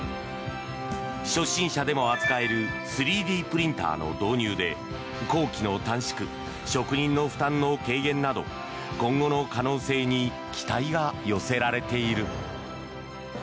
初心者でも扱える３Ｄプリンターの導入で工期の短縮職人の負担の軽減など今後の可能性に期待が寄せられている。